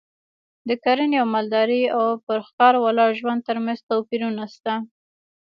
د کرنې او مالدارۍ او پر ښکار ولاړ ژوند ترمنځ توپیرونه شته